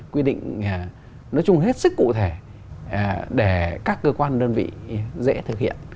quy định nói chung hết sức cụ thể để các cơ quan đơn vị dễ thực hiện